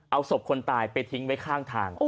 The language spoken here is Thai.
เอาศพคนตายไปทิ้งไว้ข้างทาง